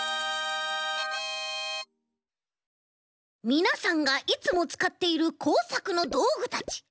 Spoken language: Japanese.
みなさんがいつもつかっているこうさくのどうぐたち。